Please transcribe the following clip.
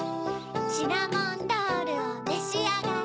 シナモンロールをめしあがれ